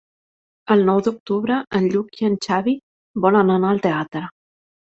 El nou d'octubre en Lluc i en Xavi volen anar al teatre.